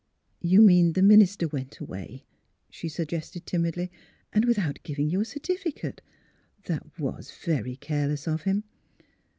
*' You mean the minister went away! " she suggested, timidly, " and without giving you a certificate. That was very careless of him.